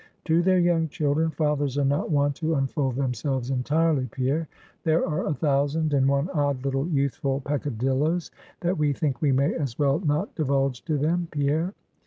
To their young children, fathers are not wont to unfold themselves entirely, Pierre. There are a thousand and one odd little youthful peccadilloes, that we think we may as well not divulge to them, Pierre.